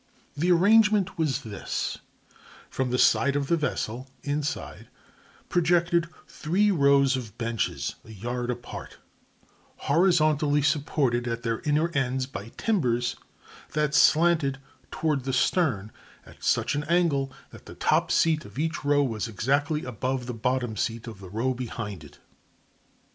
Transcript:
The arrangement was this: From the side of the vessel (inside) projected three rows of benches, a yard apart, horizontally supported at their inner ends by timbers that slanted toward the stern at such an angle that the top seat of each row was exactly above the bottom seat of the row behind it.